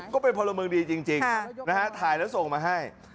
พลเมืองดีจริงนะฮะถ่ายแล้วส่งมาให้